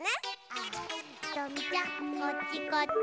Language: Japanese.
あひとみちゃんこっちこっち。